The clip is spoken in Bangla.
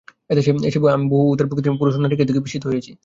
এদেশে এসে আমি বহু উদার প্রকৃতির পুরুষ ও নারীকে দেখে বিস্মিত হয়েছি।